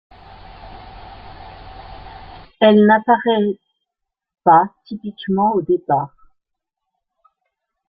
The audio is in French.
Elle n'apparaît pas typiquement au départ.